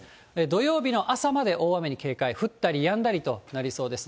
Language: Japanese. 土曜日の朝まで大雨に警戒、降ったりやんだりとなりそうです。